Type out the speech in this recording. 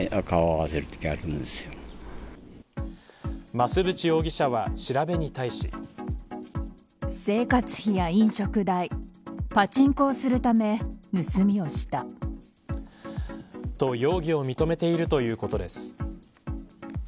増渕容疑者は調べに対し。と容疑を認めているということです。